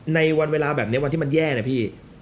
ในวันเวลาแบบนี้วันที่มันแย่นะพี่